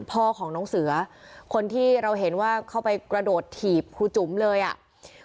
พ่อของน้องเสือคนที่เราเห็นว่าเข้าไปกระโดดถีบครูจุ๋มเลยอ่ะ